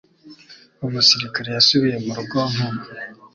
Umusirikare yasubiye mu rugo vuba